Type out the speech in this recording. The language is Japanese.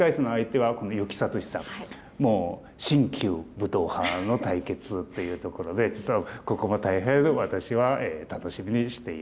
ちょうど新旧武闘派の対決というところで実はここも大変私は楽しみにしています。